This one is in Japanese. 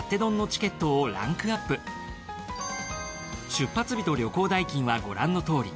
出発日と旅行代金はご覧のとおり。